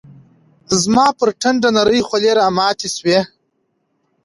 زما پر ټنډه نرۍ خولې راماتي شوې